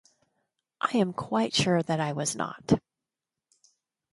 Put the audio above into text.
I am quite sure that I was not.